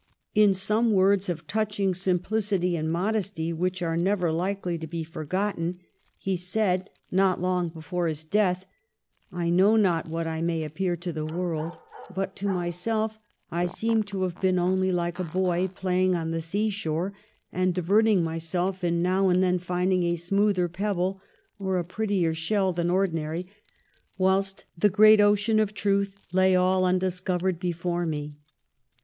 In some words of touching simplicity and modesty, which are never likely to be forgotten, he said, not long 296 THE REIGN OF QUEEN ANNE. ch. xxxv. before his death :' I know not what I may appear to the world; but to myself I seem to have been only like a boy playing on the sea shore, and divert ing myself in now and then finding a smoother pebble or a prettier shell than ordinary, whilst the great ocean of truth lay all undiscovered before me.'